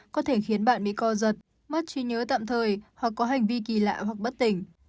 có thể khiến bạn bị co giật mất trí nhớ tạm thời hoặc có hành vi kỳ lạ hoặc bất tỉnh